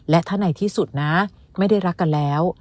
และถ้าในที่สุดนะไม่ได้รักกันแล้ว